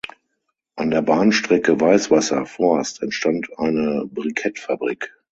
An der Bahnstrecke Weißwasser–Forst entstand eine Brikettfabrik.